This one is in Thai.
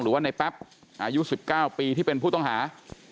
หรือว่าในแป๊บอายุ๑๙ปีที่เป็นผู้ต้องหา